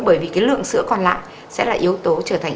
bởi vì lượng sữa còn lại sẽ trở thành